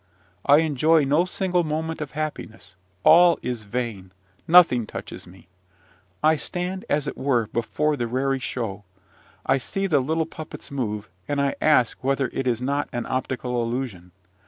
I enjoy no single moment of happiness: all is vain nothing touches me. I stand, as it were, before the raree show: I see the little puppets move, and I ask whether it is not an optical illusion.